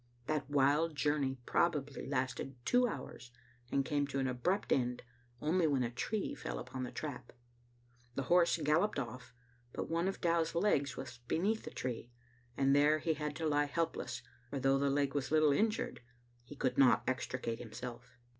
That wild journey probably lasted two hours, and came to an abrupt end only when a tree fell upon the trap. The horse gal loped off, but one of Dow's legs was beneath the tree, and there he had to lie helpless, for though the leg was little injured, he could not extricate himself.